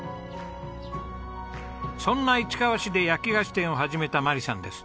そんな市川市で焼き菓子店を始めた眞理さんです。